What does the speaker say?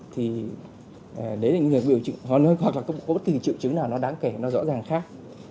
thì đấy là những người có bất kỳ triệu chứng nào nó đáng kể nó rõ ràng khác